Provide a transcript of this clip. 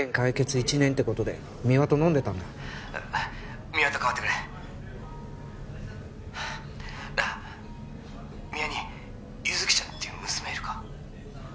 １年ってことで三輪と飲んでたんだ三輪と代わってくれなあ三輪に優月ちゃんっていう娘いるか？